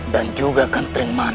dan juga kentering mane